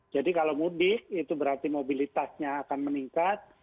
jadi kalau mudik itu berarti mobilitasnya akan meningkat